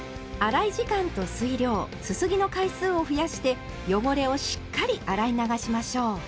洗い時間と水量すすぎの回数を増やして汚れをしっかり洗い流しましょう。